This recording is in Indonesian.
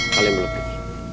kalian belum lebih